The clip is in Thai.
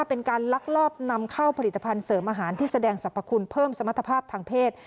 เป็นการลักลอบนำเข้าผลิตภัณฑ์เสริมอาหารที่แสดงสรรพคุณเพิ่มสมรรถภาพทางเพศ